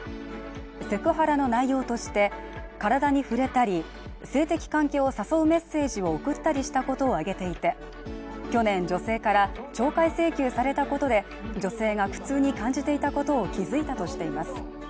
セクハラの内容として、体に触れたり性的関係を誘うメッセージを送ったりしたことを挙げていて去年、女性から懲戒請求されたことで女性が苦痛に感じていたことを気づいたとしています。